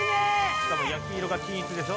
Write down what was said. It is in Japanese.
しかも焼き色が均一でしょ？